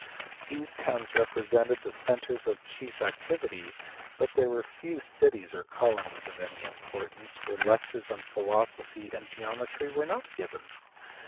These towns represented the centres of chief activity, but there were few cities or colonies of any importance where lectures on philosophy and geometry were not given.